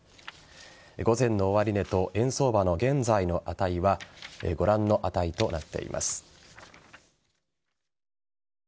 午前の終値と円相場の現在の値はご覧の値となっています。